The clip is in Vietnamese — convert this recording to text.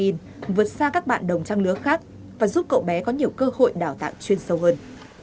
nhìn vượt xa các bạn đồng trang lứa khác và giúp cậu bé có nhiều cơ hội đào tạo chuyên sâu hơn